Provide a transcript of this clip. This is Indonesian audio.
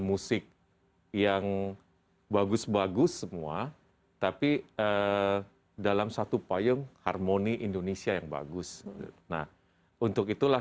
musik yang bagus bagus semua tapi dalam satu payung harmoni indonesia yang bagus nah untuk itulah